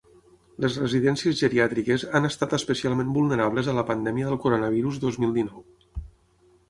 Les residències geriàtriques han estat especialment vulnerables a la pandèmia del coronavirus dos mil dinou.